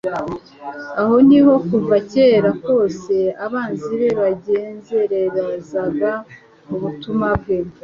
aho mi ho kuva kera kose abanzi be bageuzerezaga ubutumwa bwe